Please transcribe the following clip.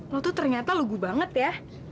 lo tuh ternyata lugu banget ya